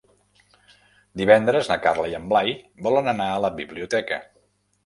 Divendres na Carla i en Blai volen anar a la biblioteca.